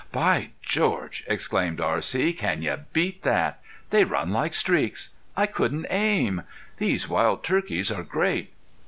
"By George!" exclaimed R.C. "Can you beat that? They run like streaks. I couldn't aim. These wild turkeys are great."